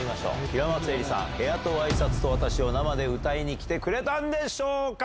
平松愛理さん、部屋とＹシャツと私、生で歌いに来てくれたんでしょうか。